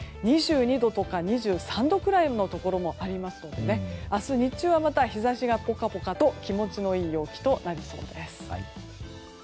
２２度とか２３度ぐらいのところもありますので明日日中は日差しがぽかぽかと気持ちのいい陽気となりそうです。